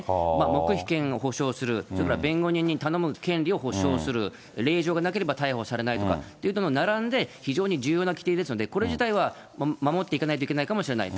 黙秘権を保障する、それから弁護人に頼む権利を保障する、令状がなければ逮捕されないとか、というのと並んで、非常に重要な規定ですので、これ自体は守っていかないかもしれない。